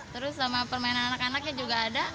terus sama permainan anak anaknya juga ada